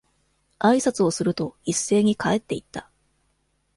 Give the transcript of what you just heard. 挨拶をすると、一斉に帰って行った。